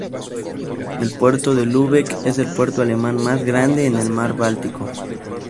El puerto de Lübeck es el puerto alemán más grande en el mar báltico.